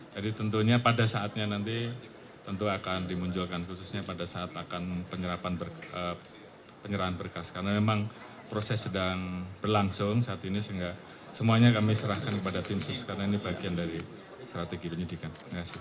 jadi tentunya pada saatnya nanti tentu akan dimunculkan khususnya pada saat akan penyerahan berkas karena memang proses sedang berlangsung saat ini sehingga semuanya kami serahkan kepada tim sus karena ini bagian dari strategi penyidikan